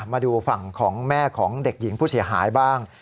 มาดูฝั่งของแม่ของเด็กหญิงผู้เสียหายบ้าง